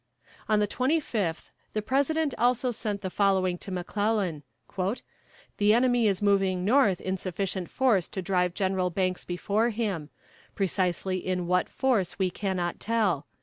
On the 25th, the President also sent the following to McClellan: "The enemy is moving north in sufficient force to drive Gen. Banks before him; precisely in what force we cannot tell.